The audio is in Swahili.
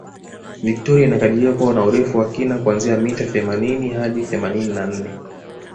Victoria inakadiriwa kuwa na Urefu wa kina kuanzia mita themanini hadi themanini na nne